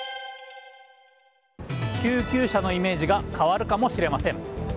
救急車のイメージが変わるかもしれません。